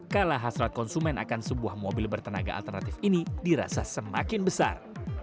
kalah hasrat konsumen akan sebuah mobil bertenaga alternatif ini dirasa semakin besar